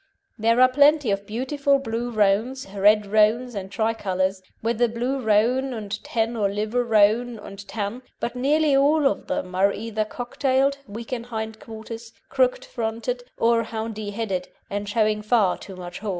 There are plenty of beautiful blue roans, red roans, and tricolours, whether blue roan and tan or liver roan and tan, but nearly all of them are either cocktailed, weak in hind quarters, crooked fronted, or houndy headed, and showing far too much haw.